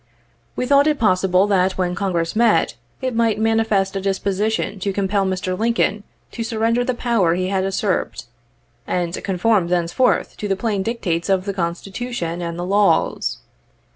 We thought it possible that when Congress met it might manifest a disposition to compel Mr. Lincoln to surrender the power he had usurped, and conform thenceforth to the plain dictates of the Constitution and the laws.